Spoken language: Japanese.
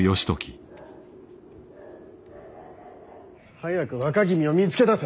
早く若君を見つけ出せ。